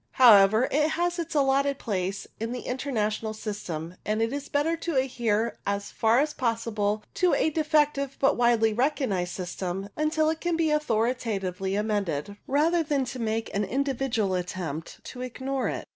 However, it has its allotted place in the Inter national system, and it is better to adhere as far as possible to a defective but widely recognized system until it can be authoritatively amended, rather than to make an individual attempt to ignore it.